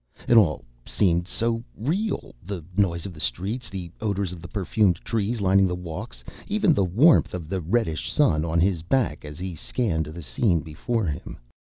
It all seemed so real! The noise of the streets, the odors of the perfumed trees lining the walks, even the warmth of the reddish sun on his back as he scanned the scene before him.